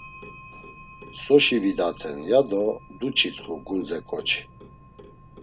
“Soşi vidaten?” ya do duç̌itxu gundze ǩoçi.